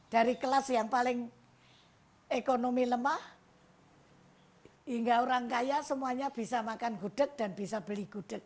dari kelas yang paling ekonomi lemah hingga orang kaya semuanya bisa makan gudeg dan bisa beli gudeg